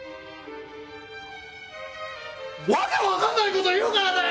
訳わかんない事言うからだよ